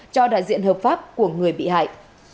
cho đại diện hợp pháp của người bị hại